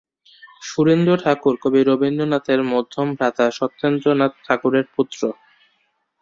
সুরেন্দ্র ঠাকুর কবি রবীন্দ্রনাথের মধ্যম ভ্রাতা সত্যেন্দ্রনাথ ঠাকুরের পুত্র।